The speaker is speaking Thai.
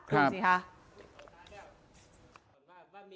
ครับ